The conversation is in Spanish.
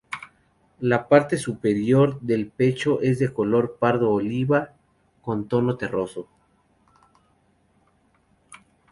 La parte superior del pecho es de color pardo-oliva con tono terroso.